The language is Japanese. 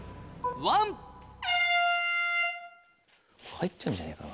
入っちゃうんじゃないかな。